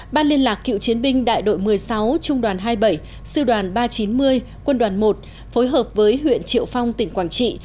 ban liên lạc cựu chiến binh đại đội một mươi sáu trung đoàn hai mươi bảy sư đoàn ba trăm chín mươi quân đoàn một phối hợp với huyện triệu phong tỉnh quảng trị